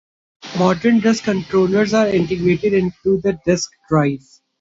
Modern disk controllers are integrated into the disk drive.